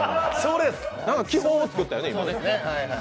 基本を作ったよね。